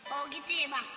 oh gitu ya bang